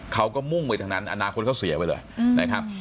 เขาก็มุ่งไปทางนั้นอนาคตเขาเสียไปเลยนะครับ